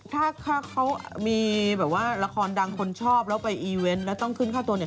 ถ้าเขามีแบบว่าละครดังคนชอบแล้วไปอีเวนต์แล้วต้องขึ้นค่าตัวเนี่ย